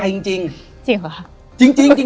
และยินดีต้อนรับทุกท่านเข้าสู่เดือนพฤษภาคมครับ